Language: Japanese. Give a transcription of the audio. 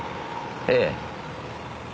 ええ。